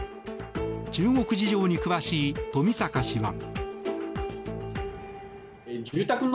中国事情に詳しい富坂氏は。